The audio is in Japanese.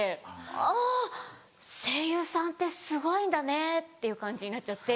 「あぁ声優さんってすごいんだね」っていう感じになっちゃって。